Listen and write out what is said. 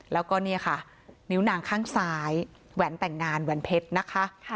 แล้วก็เนี่ยค่ะนิ้วนางข้างซ้ายแหวนแต่งงานแหวนเพชรนะคะ